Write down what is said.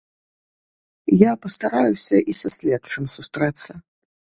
Я пастараюся і са следчым сустрэцца.